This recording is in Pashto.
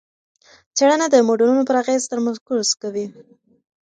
څېړنه د موډلونو پر اغېز تمرکز کوي.